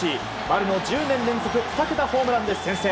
丸の１０年連続２桁ホームランで先制。